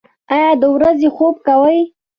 ایا د ورځې خوب کوئ؟